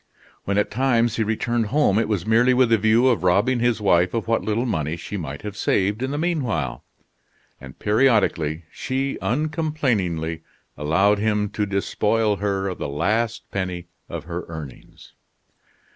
When at times he returned home, it was merely with the view of robbing his wife of what little money she might have saved in the mean while; and periodically she uncomplainingly allowed him to despoil her of the last penny of her earnings.